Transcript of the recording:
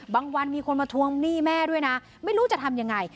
บางคนมีคนมาทวงหนี้แม่ด้วยนะไม่รู้จะทำยังไง